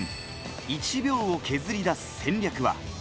１秒を削り出す戦略は。